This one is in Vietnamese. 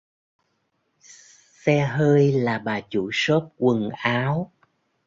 Xe hơi là bà chủ shop quần áo